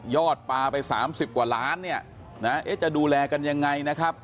ปลาไป๓๐กว่าล้านเนี่ยนะจะดูแลกันยังไงนะครับ